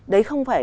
đấy không phải